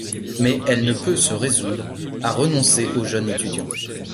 Mais elle ne peut se résoudre à renoncer au jeune étudiant.